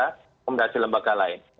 rekomendasi lembaga lain